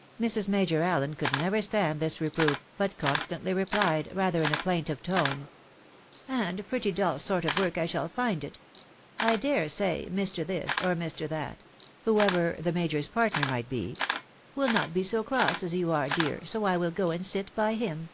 " Mrs. Major Allen could never stand this reproof, but con stantly replied, rather in a plaintive tone —" And pretty dull sort of work I shall find it ! I dare say, Mr. This, or Mr. That (whoever the Major's partner might be), will not be so cross as you are, dear, so I wiU go and sit by Mm."